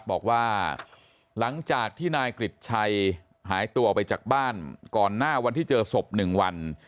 บอกว่าหลังจากที่นายกริจชัยหายตัวไปจากบ้านก่อนหน้าวันที่เจอศพ๑วัน